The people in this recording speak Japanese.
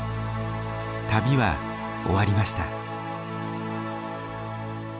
旅は終わりました。